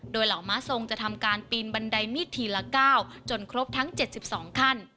โดยเหล่าม้าทรงจะทำการปีนบันไดมีดทีละ๙จนครบทั้ง๗๒ขั้น